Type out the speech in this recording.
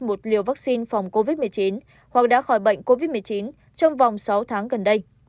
một liều vaccine phòng covid một mươi chín hoặc đã khỏi bệnh covid một mươi chín trong vòng sáu tháng gần đây